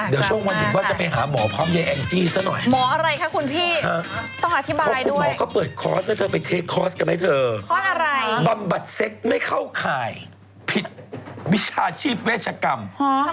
ขนูปากทีเดี๋ยวปุ๊บแห้งในภาษาราคา